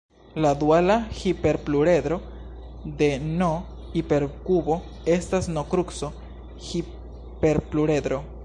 La duala hiperpluredro de "n"-hiperkubo estas "n"-kruco-hiperpluredro.